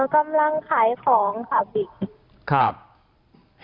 กำลังขายของค่ะพี่ครับ